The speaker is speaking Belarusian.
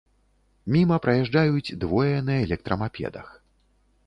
Міма праязджаюць двое на электрамапедах.